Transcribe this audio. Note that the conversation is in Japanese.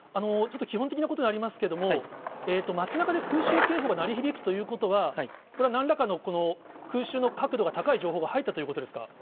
ちょっと基本的なことになりますけれども、街なかで空襲警報が鳴り響くということは、これはなんらかの空襲の確度が高い情報が入ったということですか？